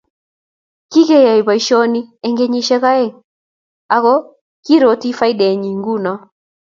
Kikeyayf boisioni eng kenyishe oeng ako kirotii faideenyii nguno.